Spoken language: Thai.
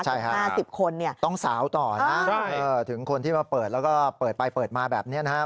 ใช่ค่ะ๕๐คนเนี่ยต้องสาวต่อนะถึงคนที่มาเปิดแล้วก็เปิดไปเปิดมาแบบนี้นะครับ